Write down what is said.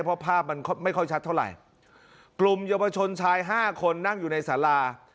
เพราะภาพมันไม่ค่อยชัดเท่าไหร่กลุ่มเยาวชนชายห้าคนนั่งอยู่ในสารา